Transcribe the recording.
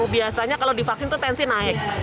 biasanya kalau divaksin itu tensi naik